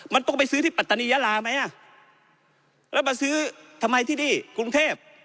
มันต้องไปซื้อที่ปัตตานียาลาไหมอ่ะแล้วมาซื้อทำไมที่นี่กรุงเทพ